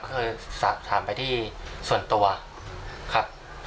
เคยสอบถามไปที่ส่วนตัวครับ